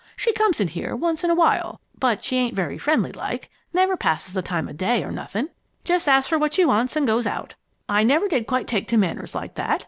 She comes in here once in a while, but she ain't very friendly like never passes the time o' day nor nothing, just asks for what she wants and goes out. I never did quite take to manners like that.